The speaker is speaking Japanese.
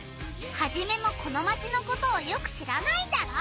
ハジメもこのマチのことをよく知らないんだろ？